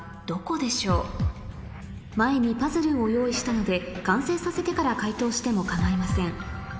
前にパズルを用意したので完成させてから解答しても構いません